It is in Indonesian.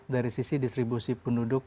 dari sisi distribusi penduduk